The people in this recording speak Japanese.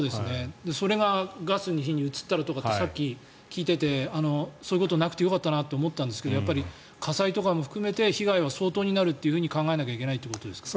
それがガスに、火に移ったらとさっき聞いててそういうことなくてよかったなと思ったんですがやっぱり、火災とかも含めて被害は相当になると考えなきゃいけないということですか？